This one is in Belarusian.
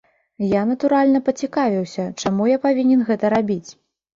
Я, натуральна, пацікавіўся, чаму я павінен гэта рабіць.